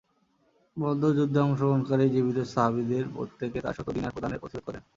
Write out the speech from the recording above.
বদর যুদ্ধে অংশগ্রহণকারী জীবিত সাহাবীদের প্রত্যেকে চারশত দিনার প্রদানের অসীয়ত করেন।